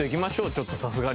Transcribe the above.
ちょっとさすがに。